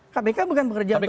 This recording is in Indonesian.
kpk bukan bekerja untuk